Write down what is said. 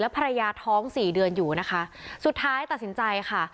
ภรรยาท้องสี่เดือนอยู่นะคะสุดท้ายตัดสินใจค่ะ